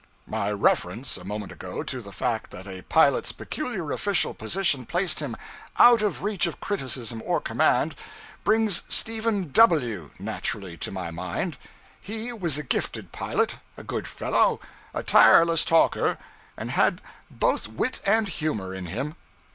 My reference, a moment ago, to the fact that a pilot's peculiar official position placed him out of the reach of criticism or command, brings Stephen W naturally to my mind. He was a gifted pilot, a good fellow, a tireless talker, and had both wit and humor in him.